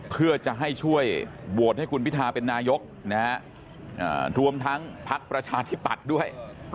เพื่อจะให้ช่วยโหวตให้คุณพิทาเป็นนายกรวมทั้งพักประชาธิปัตย์ด้วย